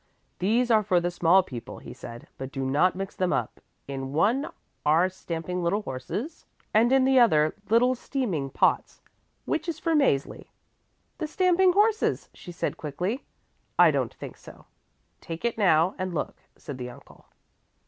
"These are for the small people," he said, "but do not mix them up. In one are stamping little horses, and in the other little steaming pots. Which is for Mäzli?" "The stamping horses," she said quickly. "I don't think so. Take it now and look," said the uncle.